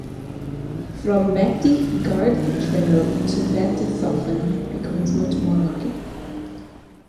From Vetti gard the trail to Vettisfossen becomes much more rocky.